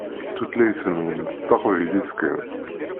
Tulayt-nwen d taqbaylit kan.